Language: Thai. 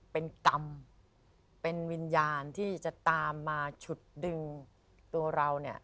เป็นกรรมเป็นวิญญาณที่จะตามมาฉุดดึงตัวเราเนี่ย